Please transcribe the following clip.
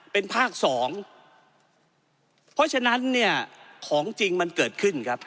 เป็นภาคสองเพราะฉะนั้นเนี่ยของจริงมันเกิดขึ้นครับ